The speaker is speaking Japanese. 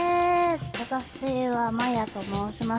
私はマヤと申します。